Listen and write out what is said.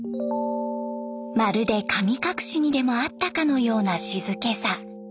まるで神隠しにでもあったかのような静けさ。